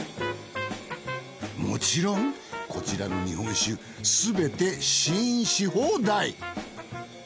もちろんこちらの日本酒すべて試飲し放題。